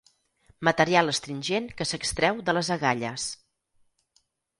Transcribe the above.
Material astringent que s'extreu de les agalles.